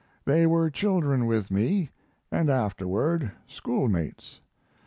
They were children with me, and afterward schoolmates.